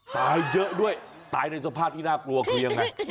ตายเยอะด้วยตายในสภาพที่น่ากลัวคือยังไง